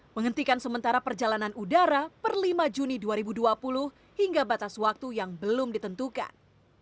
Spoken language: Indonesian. menghentikan sementara perjalanan udara per lima juni dua ribu dua puluh hingga batas waktu yang belum ditentukan